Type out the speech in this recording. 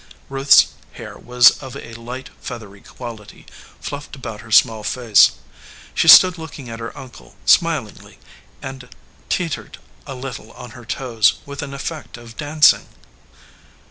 Ruth s hair was of a light, feathery quality, fluffed about her small face. She stood looking at her uncle smilingly, and teetered a little on her toes, with an effect of dancing.